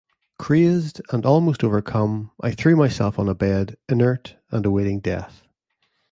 Crazed and almost overcome, I threw myself on a bed, inert and awaiting death.